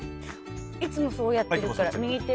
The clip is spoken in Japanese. いつもそうやってるから。